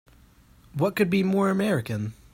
What could be more American!